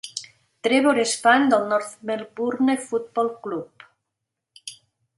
Trevor és fan del North Melbourne Football Club.